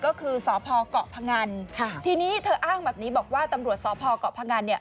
ก็คือสพเกาะพงันค่ะทีนี้เธออ้างแบบนี้บอกว่าตำรวจสพเกาะพงันเนี่ย